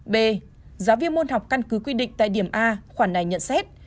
b giáo viên môn học căn cứ quy định tại điểm a khoản này nhận xét